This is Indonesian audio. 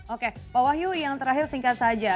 oke pak wahyu yang terakhir singkat saja